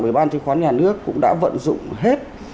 ủy ban chứng khoán nhà nước cũng đã vận dụng hết